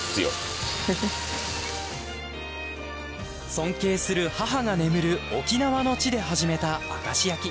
尊敬する母が眠る沖縄の地で始めた明石焼き。